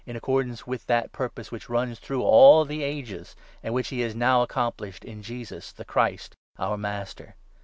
* accordance with that purpose which runs through through the all the ages and which he has now accomplished church. jn Jesus, the Christ, our Master.